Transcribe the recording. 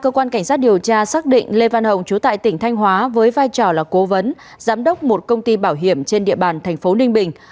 cơ quan cảnh sát điều tra xác định lê văn hồng chú tại tỉnh thanh hóa với vai trò là cố vấn giám đốc một công ty bảo hiểm trên địa bàn thành phố ninh bình